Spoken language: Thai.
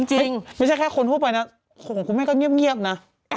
จริงไม่ใช่แค่คนทั่วไปนะของคุณแม่ก็เงียบนะ